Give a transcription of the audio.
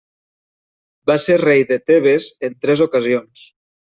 Va ser rei de Tebes en tres ocasions.